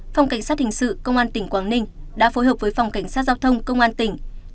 phòng cảnh sát hình sự công an tỉnh quảng ninh đã phối hợp với phòng cảnh sát giao thông công an tỉnh